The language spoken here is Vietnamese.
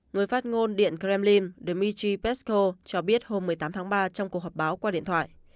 người phát ngôn điện kremlin dmitry pesko cho biết hôm một mươi tám tháng ba trong cuộc họp báo qua điện thoại